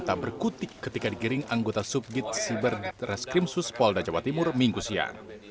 tak berkutik ketika digiring anggota subgit siber ditres krimsus polda jawa timur minggu siang